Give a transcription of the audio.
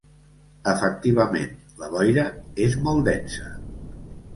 Efectivament, la boira és molt densa!